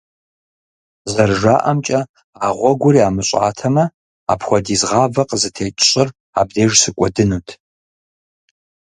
Зэрыжаӏэмкӏэ, а гъуэгур ямыщӏатэмэ, апхуэдиз гъавэ къызытекӏ щӏыр абдеж щыкӏуэдынут.